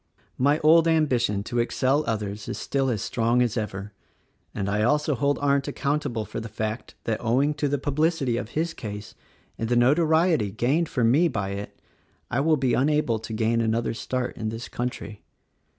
"My old ambition to excel others is still as strong as ever, and I also hold Arndt accountable for the fact that, owing to the publicity of his case, and the notoriety gained for me by it, I will be unable to gain another start in this country.